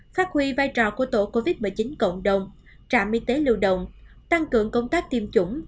phát huy vai trò của tổ covid một mươi chín cộng đồng trạm y tế lưu động tăng cường công tác tiêm chủng